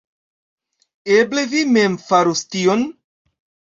Eble vi mem farus tion?